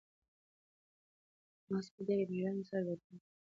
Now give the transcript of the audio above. آس په ډېرې مېړانې سره د کوهي وروستۍ غاړې ته نږدې شو.